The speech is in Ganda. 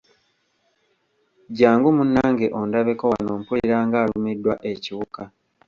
Jjangu munnange ondabeko wano mpulira ng'alumiddwa ekiwuka.